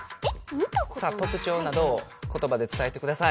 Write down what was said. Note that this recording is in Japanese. さあ特徴などをことばで伝えてください。